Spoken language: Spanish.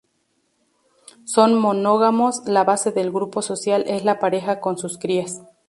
Son monógamos, la base del grupo social es la pareja con sus crías.